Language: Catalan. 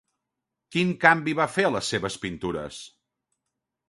Quin canvi va fer a les seves pintures?